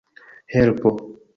helpo